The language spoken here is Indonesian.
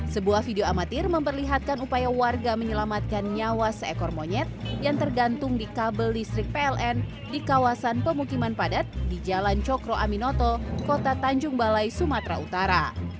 sebuah video amatir memperlihatkan upaya warga menyelamatkan nyawa seekor monyet yang tergantung di kabel listrik pln di kawasan pemukiman padat di jalan cokro aminoto kota tanjung balai sumatera utara